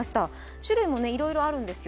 種類もいろいろあるんですよ